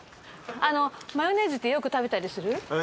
マヨネーズってよく食べたりする？